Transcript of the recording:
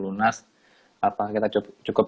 munas kita cukup